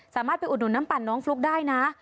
สามารถไปอุดหนุนน้ำปั่นน้องฟลุ๊กได้นะ